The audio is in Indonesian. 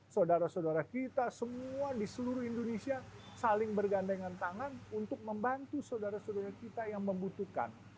saudara saudara kita semua di seluruh indonesia saling bergandengan tangan untuk membantu saudara saudara kita yang membutuhkan